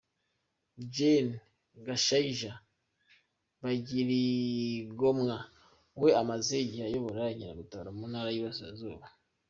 Gen. Gashayija Bagirigomwa we amaze igihe ayobora Inkeragutabara mu Ntara y’Iburasirazuba.